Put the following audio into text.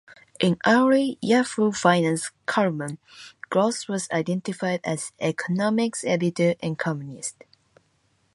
In an early Yahoo Finance column, Gross was identified as "economics editor and columnist".